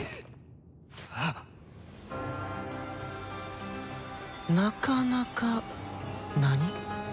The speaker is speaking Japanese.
ハッ⁉なかなか？何？